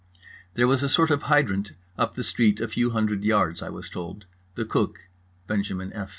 There was a sort of hydrant up the street a few hundred yards, I was told. The cook (Benjamin F.